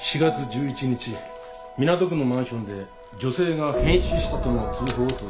日港区のマンションで女性が変死したとの通報を盗聴。